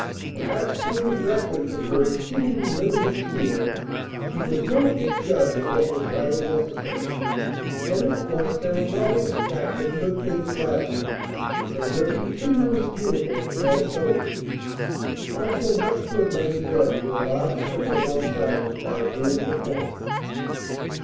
Perhaps coming directly from her exceedingly limited sphere she was no fit judge of what was right and necessary. And of course there was always the fact that good things lasted, and were continually beautiful if well chosen. Also much good might be done to a large circle of outsiders by a beautiful home.